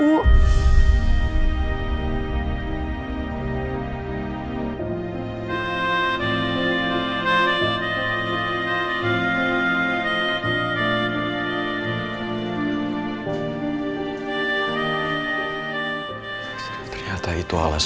aku kepalau aw dad